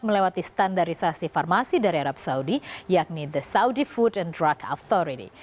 melewati standarisasi farmasi dari arab saudi yakni the saudi food and drug authority